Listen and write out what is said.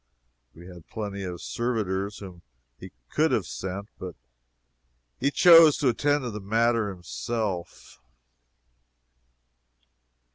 He had plenty of servitors whom he could have sent, but he chose to attend to the matter himself.